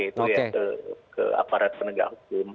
itu ya ke aparat penegak hukum